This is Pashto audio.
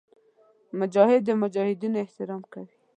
مجاهد د مجاهدینو احترام کوي.